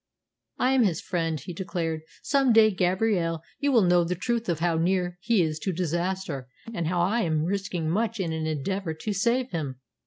"I am his friend," he declared. "Some day, Gabrielle, you will know the truth of how near he is to disaster, and how I am risking much in an endeavour to save him."